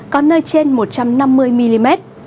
có nơi trên một trăm năm mươi mm